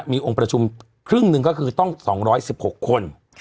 มีองค์ประชุมครึ่งหนึ่งก็คือต้อง๒๑๖คน